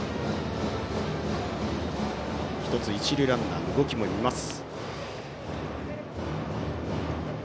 １つ、一塁ランナーの動きも見ます。